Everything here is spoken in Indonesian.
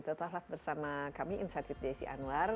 tetap bersama kami insight with desy anwar